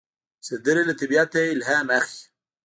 سندره له طبیعت الهام اخلي